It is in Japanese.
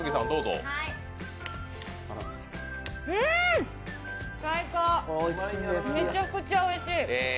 うん、最高、めちゃくちゃおいしい。